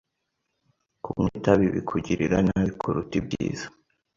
Kunywa itabi bikugirira nabi kuruta ibyiza.